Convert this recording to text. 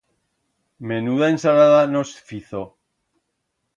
Menuda ensalada nos fizo!